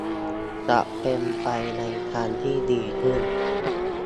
จะเป็นไปในทางที่ดีขึ้น